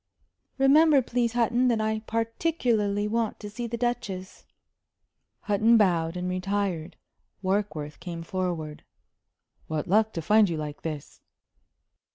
"Remember, please, Hutton, that I particularly want to see the Duchess." Hutton bowed and retired. Warkworth came forward. "What luck to find you like this!"